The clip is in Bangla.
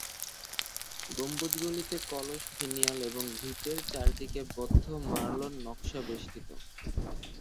গম্বুজগুলিতে কলস ফিনিয়াল এবং ভিতের চারদিকে বদ্ধ মারলোন নকশা বেষ্টিত।